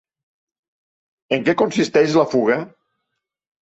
En què consisteix la fuga?